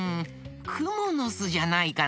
くものすじゃないかな？